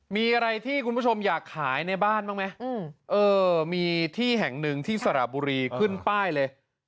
มีอะไรที่คุณผู้ชมอยากขายในบ้านบ้างไหมเออมีที่แห่งหนึ่งที่สระบุรีขึ้นป้ายเลย